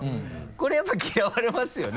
これやっぱ嫌われますよね？